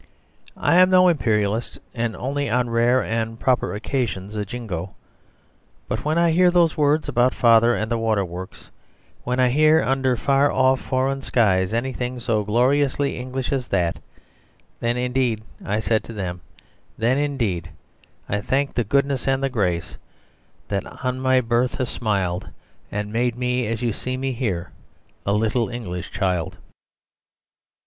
I am no Imperialist, and only on rare and proper occasions a Jingo. But when I hear those words about Father and the water works, when I hear under far off foreign skies anything so gloriously English as that, then indeed (I said to them), then indeed: "I thank the goodness and the grace That on my birth have smiled, And made me, as you see me here, A little English child."